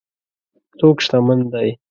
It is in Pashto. څوک شتمن دی.